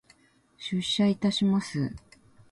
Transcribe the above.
出社いたします。